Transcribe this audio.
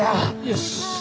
よし！